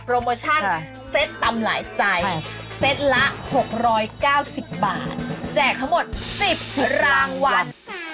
๑๐รางวัล